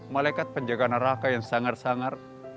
malaikat penjaga neraka yang sangar sangar